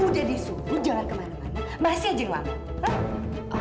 udah disuruh jalan kemana mana masih aja ngelamuk hah